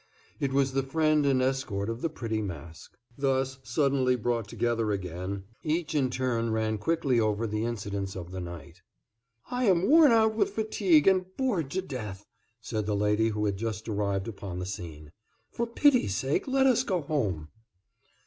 It was the friend and escort of the pretty Mask. Thus suddenly brought together again, each in turn ran quickly over the incidents of the night. "I am worn out with fatigue, and bored to death," said the lady who had just arrived upon the scene. "For pity's sake, let us go home."